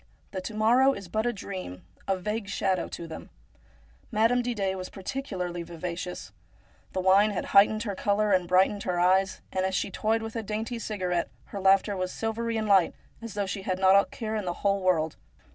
The to morrow is but a dream, a vague shadow, to them. Madame Didet was particularly vivacious. The wine had heightened her colour and brightened her eyes, and as she toyed with a dainty cigarette, her laughter was silvery and light, as though she had not a care in the whole world.